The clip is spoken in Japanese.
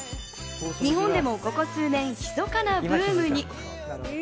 日本でもここ数年、ひそかなブームに。